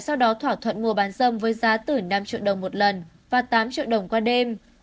sau đó thỏa thuận mua bán dâm với giá từ năm triệu đồng một lần và tám triệu đồng qua đêm